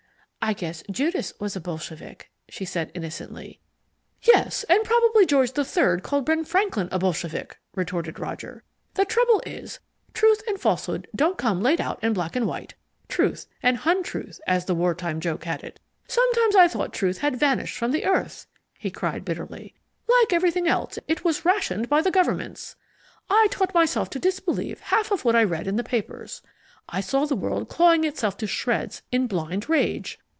"I guess Judas was a bolshevik," she said innocently. "Yes, and probably George the Third called Ben Franklin a bolshevik," retorted Roger. "The trouble is, truth and falsehood don't come laid out in black and white Truth and Huntruth, as the wartime joke had it. Sometimes I thought Truth had vanished from the earth," he cried bitterly. "Like everything else, it was rationed by the governments. I taught myself to disbelieve half of what I read in the papers. I saw the world clawing itself to shreds in blind rage.